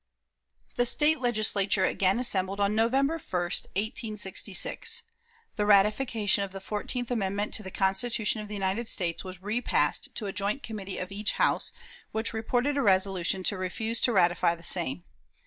The State Legislature again assembled on November 1, 1866. The ratification of the fourteenth amendment to the Constitution of the United States was repassed to a joint committee of each House, which reported a resolution to refuse to ratify the same.